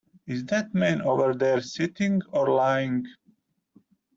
Is that man over there sitting or lying?